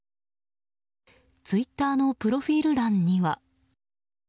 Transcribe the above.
ツイッターのプロフィール欄には。